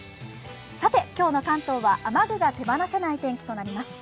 さて、今日の関東は雨具が手放せない天気となります。